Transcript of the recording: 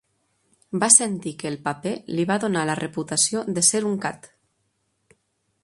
Va sentir que el paper li va donar la reputació de ser un CAD.